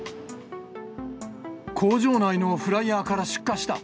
工場内のフライヤーから出火した。